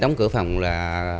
đóng cửa phòng là